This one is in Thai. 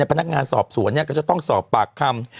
พนักงานสอบสวนก็จะต้องสอบปากคำ